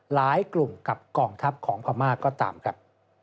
หลายกลุ่มกับกองทัพของพม่าก็ตามครับ